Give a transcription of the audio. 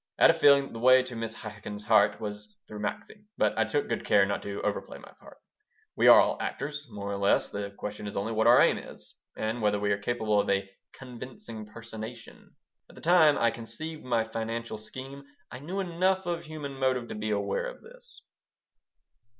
I had a feeling that the way to Mrs. Chaikin's heart was through Maxie, but I took good care not to over play my part We are all actors, more or less. The question is only what our aim is, and whether we are capable of a "convincing personation." At the time I conceived my financial scheme I knew enough of human motive to be aware of this.